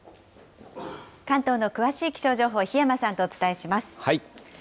関東の詳しい気象情報、檜山さんとお伝えします。